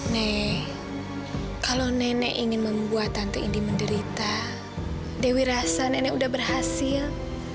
nek kalau nenek ingin membuat tante indi menderita dewi rasa nenek udah berhasil